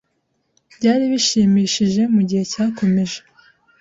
Byari bishimishije mugihe cyakomeje.